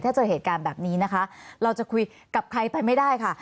ถ้าเจอเหตุการณ์แบบนี้นะคะเราจะคุยกับใครไปไม่ได้ค่ะ